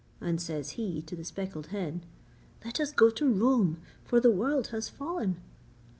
And says he to the speckled hen: 'Let us go to Rome, for the world has fallen.'